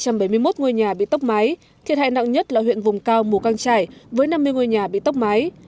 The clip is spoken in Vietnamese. hai trăm bảy mươi một ngôi nhà bị tốc máy thiệt hại nặng nhất là huyện vùng cao mù căng trải với năm mươi ngôi nhà bị tốc máy